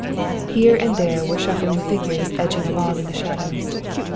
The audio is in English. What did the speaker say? And here and there were shuffling figures edging along in the shadows.